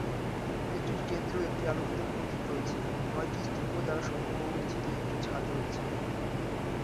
এটির কেন্দ্র একটি আলোকিত প্রদীপ রয়েছে এবং নয়টি স্তম্ভ দ্বারা সমর্থিত একটি ছাদ রয়েছে।